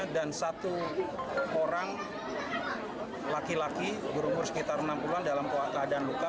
dan satu orang laki laki berumur sekitar enam puluhan dalam keadaan luka